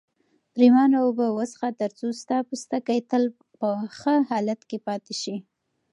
پرېمانه اوبه وڅښه ترڅو ستا پوستکی تل په ښه حالت کې پاتې شي.